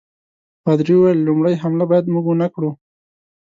پادري وویل لومړی حمله باید موږ ونه کړو.